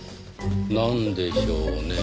なんでしょうねぇ。